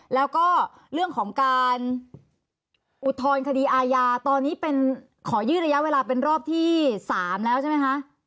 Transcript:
แล้วก็เรื่องของการอุทธรณคดีอาญาตอนนี้เป็นขอยืดระยะเวลาเป็นรอบที่๓แล้วใช่ไหมคะ